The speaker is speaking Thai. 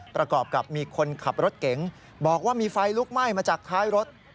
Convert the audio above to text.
ประกอบกับมีคนขับรถเก๋งบอกว่ามีไฟลุกไหม้มาจากท้ายรถ